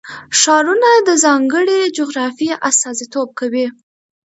ښارونه د ځانګړې جغرافیې استازیتوب کوي.